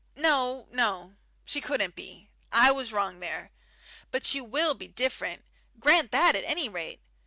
"No, no! She couldn't be. I was wrong there. But she will be different. Grant that at any rate.